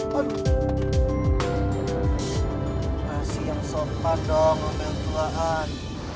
kasian sopan dong lo mentuaan